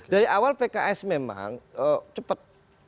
dari awal pks memang cepat